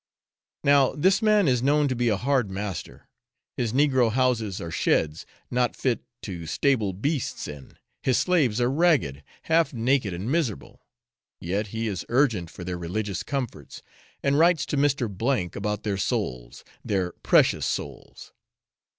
Now this man is known to be a hard master; his negro houses are sheds, not fit to stable beasts in, his slaves are ragged, half naked and miserable yet he is urgent for their religious comforts, and writes to Mr. about 'their souls, their precious souls.'